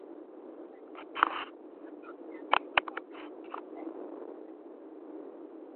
no one can feel more deeply than he does the beauties of nature.